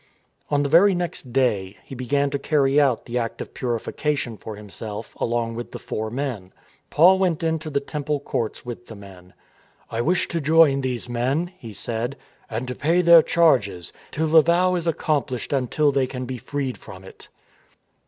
On the very next day he began to carry out the act of. purification for himself along with the four men. Paul went into the Temple courts with the men. " I wish to join these men," he said, " and to pay their charges, till the vow is accomplished and till they can be freed from it."